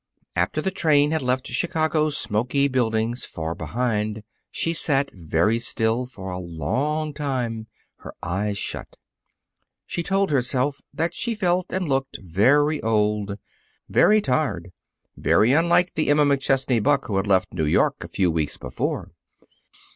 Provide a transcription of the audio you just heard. After the train had left Chicago's smoky buildings far behind, she sat very still for a long time, her eyes shut. She told herself that she felt and looked very old, very tired, very unlike the Emma McChesney Buck who had left New York a few weeks before.